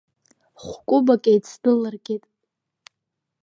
Хә-кәыбак еицдәылыргеит.